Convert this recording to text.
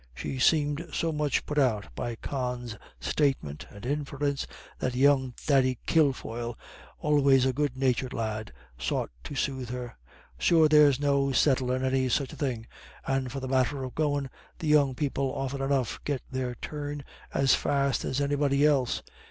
She seemed so much put out by Con's statement and inference that young Thady Kilfoyle, always a good natured lad, sought to soothe her. "Sure there's no settlin' any such a thing, and for the matter of goin', the young people often enough get their turn as fast as anybody else.